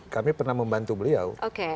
kami pernah membantu beliau